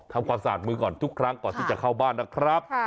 ทำความสะอาดมือก่อนทุกครั้งก่อนที่จะเข้าบ้านนะครับ